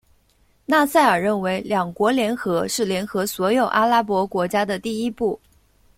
纳赛尔认为两国联合是联合所有阿拉伯国家的第一步。